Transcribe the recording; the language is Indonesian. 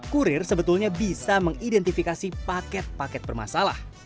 kurir sebetulnya bisa mengidentifikasi paket paket bermasalah